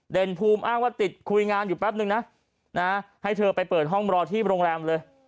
ภูมิอ้างว่าติดคุยงานอยู่แป๊บนึงนะให้เธอไปเปิดห้องรอที่โรงแรมเลย